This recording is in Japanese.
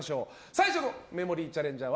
最初のメモリーチャレンジャー